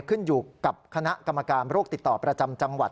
ขึ้นอยู่กับคณะกรรมการโรคติดต่อประจำจังหวัด